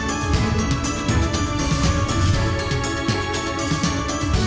aku pun takut kehilangan dirimu